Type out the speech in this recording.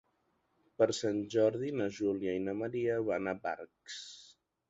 Per Sant Jordi na Júlia i na Maria van a Barx.